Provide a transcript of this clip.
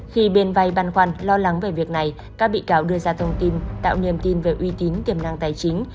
khi bên vay băn khoăn lo lắng về việc này các bị cáo đưa ra thông tin tạo niềm tin về uy tín tiềm năng tài chính